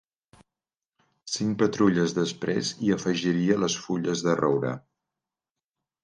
Cinc patrulles després hi afegiria les Fulles de Roure.